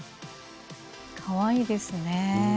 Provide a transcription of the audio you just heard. かわいいですね。